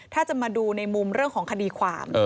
ถ้าจะมาดูในมุมเรื่องของคดีความ